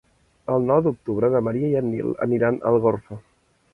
El nou d'octubre na Maria i en Nil aniran a Algorfa.